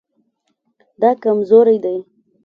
دا کمزوری دی